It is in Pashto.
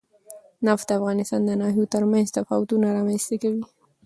نفت د افغانستان د ناحیو ترمنځ تفاوتونه رامنځ ته کوي.